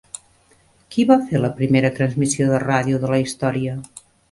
Qui va fer la primera transmissió de ràdio de la història?